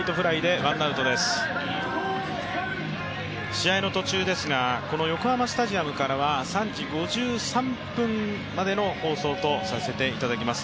試合の途中ですが、この横浜スタジアムからは３時５３分までの放送とさせていただきます。